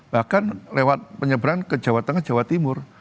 bahkan lewat penyeberang ke jawa tengah jawa timur